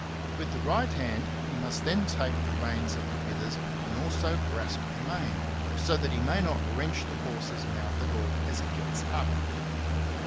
'^' With the right hand, he must then take the reins 40 XENOPHON ON HORSEMANSHIP. at the withers and also grasp the mane, so that he may not wrench the horse's mouth at all as he gets up.